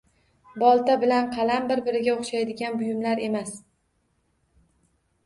Bolta bilan qalam bir-biriga o’xshaydigan buyumlar emas.